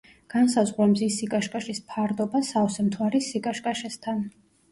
განსაზღვრა მზის სიკაშკაშის ფარდობა სავსე მთვარის სიკაშკაშესთან.